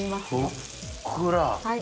ふっくら！